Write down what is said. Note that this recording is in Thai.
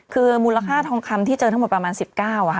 คือมูลค่าทองคำที่เจอทั้งหมดประมาณ๑๙บาทค่ะ